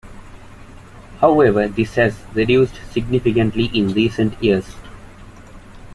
However this has reduced significantly in recent years.